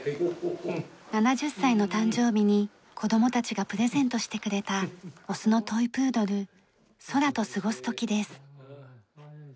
７０歳の誕生日に子供たちがプレゼントしてくれたオスのトイプードルソラと過ごす時です。